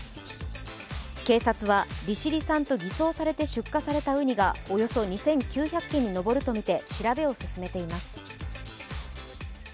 警察は利尻産と偽装されて出荷されたうにがおよそ２９００件に上るとみて調べを進めています。